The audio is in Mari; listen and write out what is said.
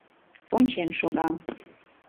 Ончен шога.